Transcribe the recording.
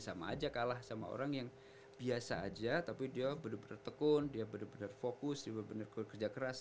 sama aja kalah sama orang yang biasa aja tapi dia benar benar tekun dia benar benar fokus dia benar benar kerja keras